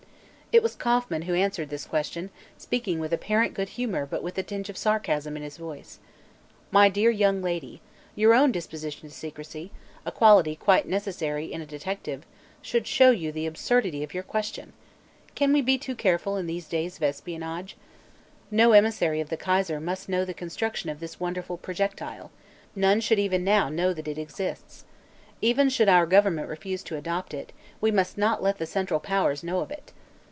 It was Kauffman who answered this question, speaking with apparent good humor but with a tinge of sarcasm in his voice: "My dear young lady, your own disposition to secrecy a quality quite necessary in a detective should show you the absurdity of your question. Can we be too careful in these days of espionage? No emissary of the Kaiser must know the construction of this wonderful projectile; none should even know that it exists. Even should our government refuse to adopt it; we must not let the Central Powers know of it.